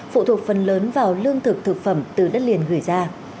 phụ thuộc phần lớn vào lương thực thực phẩm từ đất liền gửi ra